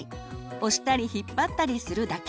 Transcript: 押したり引っ張ったりするだけ。